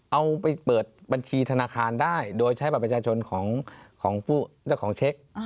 เอาไปเปิดบัญชีธนาคารได้โดยใช้บัตรประชาชนของเจ้าของเช็ค